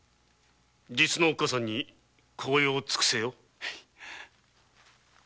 実のおっかさんに孝養をつくせよ。